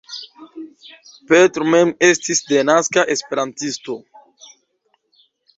Petr mem estis denaska esperantisto.